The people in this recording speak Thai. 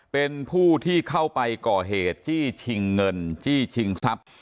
เป็นผู้ที่เข้าไปก่อเหตุจี้ชิงเงินจี้ชิงทรัพย์